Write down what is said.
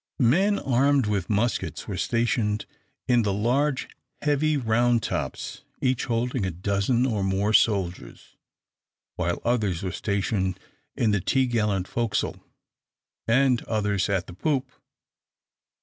Men armed with muskets were stationed in the large heavy round tops, each holding a dozen or more soldiers, while others were stationed in the topgallant forecastle, and others at the poop.